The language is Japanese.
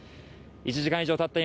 １時間以上たった